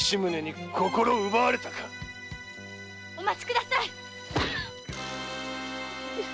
お待ちくださいっ！